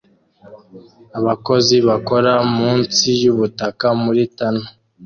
Abakozi bakora munsi yubutaka muri tunnel